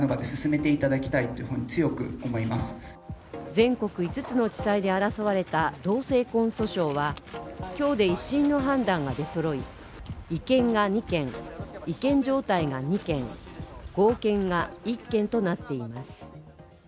全国５つの地裁で争われた同性婚訴訟は今日で１審の判断が出そろい、違憲が２件違憲状態が２件、合憲が１件となっています。